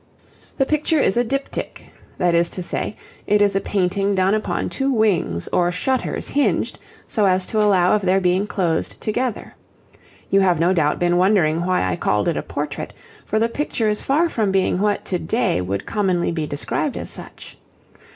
The picture is a diptych that is to say, it is a painting done upon two wings or shutters hinged, so as to allow of their being closed together. You have no doubt been wondering why I called it a portrait, for the picture is far from being what to day would commonly be described as such.